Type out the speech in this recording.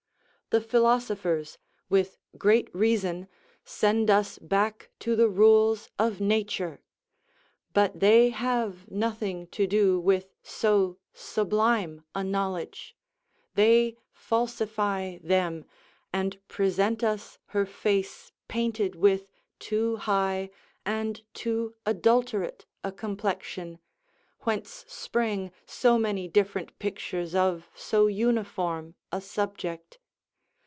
The philosophers; with great reason, send us back to the rules of nature; but they have nothing to do with so sublime a knowledge; they falsify them, and present us her face painted with too high and too adulterate a complexion, whence spring so many different pictures of so uniform a subject.